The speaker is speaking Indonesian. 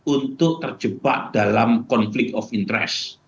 untuk terjebak dalam konflik of interest